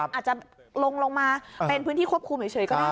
อาจจะลงมาเป็นพื้นที่ควบคุมเฉยก็ได้